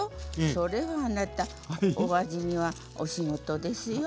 それはあなたお味見はお仕事ですよ。